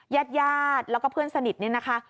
ญาติญาติแล้วก็เพื่อนสนิทเนี่ยนะคะ